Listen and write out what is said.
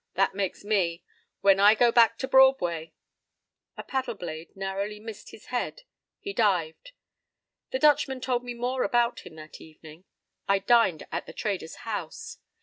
That makes me. When I get back to Broadway—" A paddle blade narrowly missed his head. He dived. The Dutchman told me more about him that evening. I dined at the trader's house.